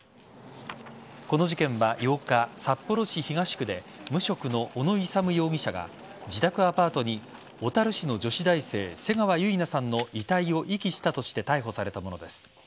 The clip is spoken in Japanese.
この事件は８日札幌市東区で無職の小野勇容疑者が自宅アパートに小樽市の女子大生瀬川結菜さんの遺体を遺棄したとして逮捕されたものです。